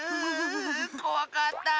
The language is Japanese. こわかった！